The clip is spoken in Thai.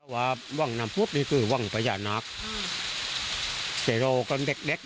ว่าวังน้ำผุดนี่คือวังพญานักแต่เราก็เด็ก